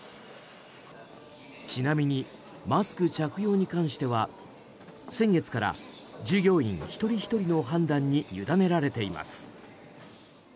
ちなみに、マスク着用に関しては先月から従業員一人ひとりの判断に委ねられています。